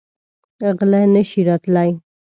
غله نه شي راتلی.